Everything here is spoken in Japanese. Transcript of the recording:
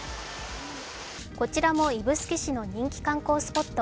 こちらも指宿市の人気観光スポット。